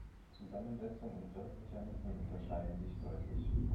Zusammensetzung und Wirkmechanismen unterscheiden sich deutlich.